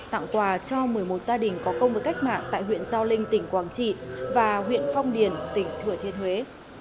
tặng quà cho một mươi một gia đình có công với cách mạng tại huyện giao linh tỉnh quảng trị và huyện phong điền tỉnh thừa thiên huế